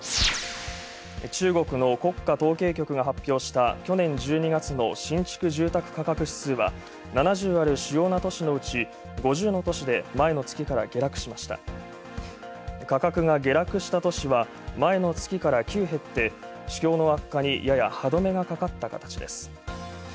中国の国家統計局が発表した去年１２月の新築住宅価格指数は、７０ある主要な都市のうち、５０の都市で前の月から下落しました価格が下落した都市は、前の月から９減って市況の悪化にやや歯止めがかかった形です。